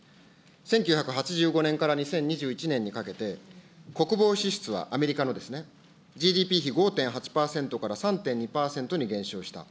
１９８５年から２０２１年にかけて、国防支出は、アメリカのですね、ＧＤＰ比５．８％から３．２％に減少した。